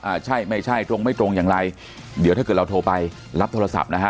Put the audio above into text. ใช่ไม่ใช่ตรงไม่ตรงอย่างไรเดี๋ยวถ้าเกิดเราโทรไปรับโทรศัพท์นะฮะ